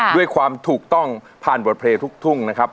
ด้วยความถูกต้องผ่านบทเพลงทุกทุ่งนะครับ